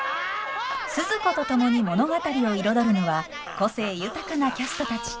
スズ子と共に物語を彩るのは個性豊かなキャストたち。